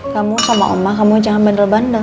kamu sama omah kamu jangan bandel bandel